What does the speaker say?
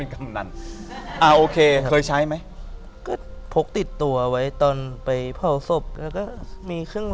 กำนันไหน